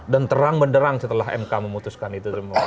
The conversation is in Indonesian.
dan terang benderang setelah mk memutuskan itu semua